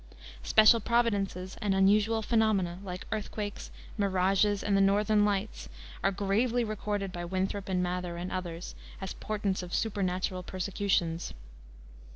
Special providences and unusual phenomena, like earthquakes, mirages, and the northern lights, are gravely recorded by Winthrop and Mather and others as portents of supernatural persecutions.